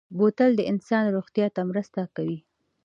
بوتل د انسان روغتیا ته مرسته کوي.